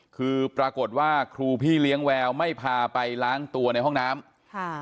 คือปรากฏว่าครูพี่เลี้ยงแววไม่พาไปล้างตัวในห้องน้ำค่ะ